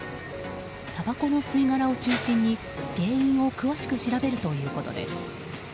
たばこの吸い殻を中心に原因を詳しく調べるということです。